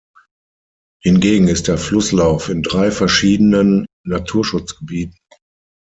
Hingegen ist der Flusslauf in drei verschiedenen Naturschutzgebieten.